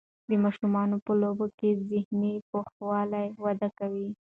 د ماشومانو په لوبو کې ذهني پوخوالی وده کوي.